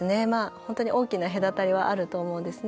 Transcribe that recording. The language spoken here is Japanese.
本当に大きな隔たりはあると思うんですね。